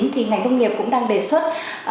thì ngành công nghiệp cũng đang đề xuất